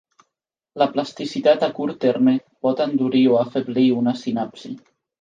La plasticitat a curt terme pot endurir o afeblir una sinapsi.